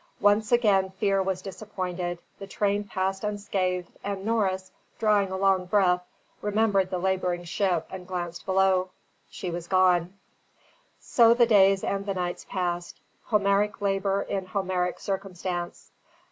Once again fear was disappointed; the train passed unscathed; and Norris, drawing a long breath, remembered the labouring ship and glanced below. She was gone. So the days and the nights passed: Homeric labour in Homeric circumstance.